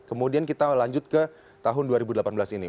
kemudian kita lanjut ke tahun dua ribu delapan belas ini